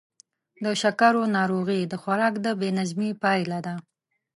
د شکرو ناروغي د خوراک د بې نظمۍ پایله ده.